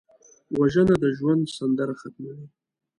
وژنه د ژوند سندره ختموي